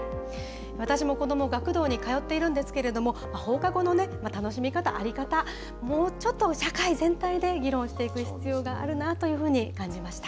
私も子ども、学童に通っているんですけれども、放課後の楽しみ方、在り方、もうちょっと社会全体で議論していく必要があるなというふうに感じました。